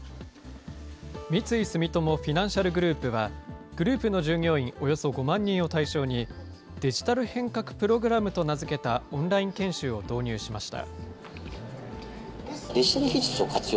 三井住友フィナンシャルグループは、グループの従業員およそ５万人を対象に、デジタル変革プログラムと名付けたオンライン研修を導入しました。